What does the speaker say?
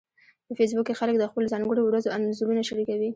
په فېسبوک کې خلک د خپلو ځانګړو ورځو انځورونه شریکوي